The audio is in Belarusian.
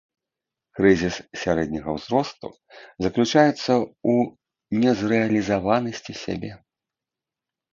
Крызіс сярэдняга ўзросту заключаецца ў незрэалізаванасці сябе.